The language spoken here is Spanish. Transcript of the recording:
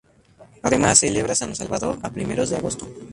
Además celebra San Salvador a primeros de agosto.